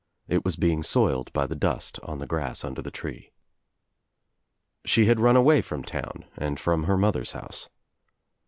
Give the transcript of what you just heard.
It was being soiled by the dust on the grass under the tree. She had run away from town and from her mother's house.